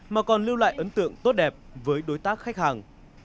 mà còn lưu lại ấn tượng tốt đẹp với đối tác khách hàng